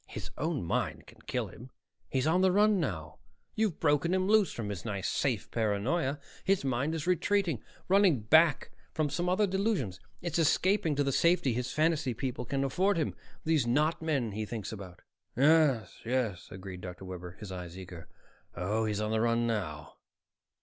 "His own mind can kill him! He's on the run now; you've broken him loose from his nice safe paranoia. His mind is retreating, running back to some other delusions. It's escaping to the safety his fantasy people can afford him, these not men he thinks about." "Yes, yes," agreed Dr. Webber, his eyes eager. "Oh, he's on the run now."